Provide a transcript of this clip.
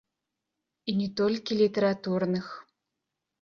І не толькі літаратурных.